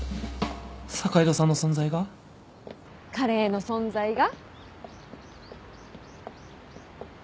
坂井戸さんの存在がカレーの存在が。